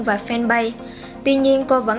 và fanpage tuy nhiên cô vẫn